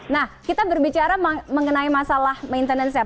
nah kita berbicara mengenai masalah maintenance nya